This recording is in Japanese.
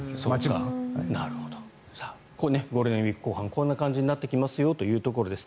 ゴールデンウィーク後半こういう感じになってきますよというところです。